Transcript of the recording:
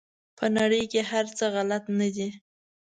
په نړۍ کې هر څه غلط نه دي.